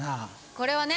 これはね